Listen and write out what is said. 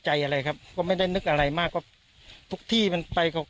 อะไรครับก็ไม่ได้นึกอะไรมากก็ทุกที่มันไปกับ